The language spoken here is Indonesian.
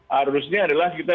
harusnya adalah kita